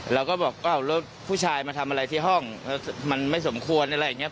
เราก็บอกอ้าวแล้วผู้ชายมาทำอะไรที่ห้องมันไม่สมควรอะไรอย่างนี้